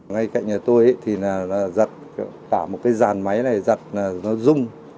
ngay cạnh nhà tôi thì là giật cả một cái dàn máy này giặt nó rung